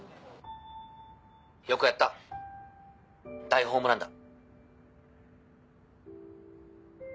よくやった大ホームランだ。